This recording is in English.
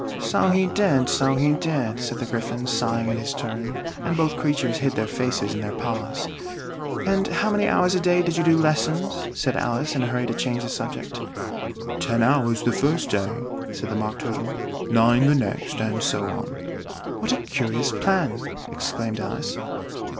"So he did, so he did," said the Gryphon, sighing in his turn, and both creatures hid their faces in their paws. "And how many hours a day did you do lessons?" said Alice, in a hurry to change the subject. "Ten hours the first day," said the Mock Turtle: "nine the next, and so on." "What a curious plan!" exclaimed Alice.